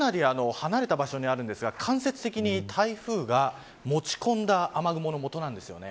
まだ、数日前でかなり離れた場所にあるんですが間接的に、台風が持ち込んだ雨雲のもとなんです。